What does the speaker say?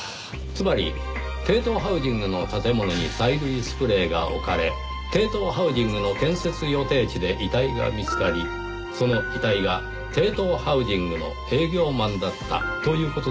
つまりテイトーハウジングの建物に催涙スプレーが置かれテイトーハウジングの建設予定地で遺体が見つかりその遺体がテイトーハウジングの営業マンだったという事ですね。